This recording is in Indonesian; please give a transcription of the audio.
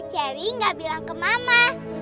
yary gak bilang ke mama